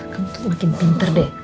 kamu tuh makin pinter deh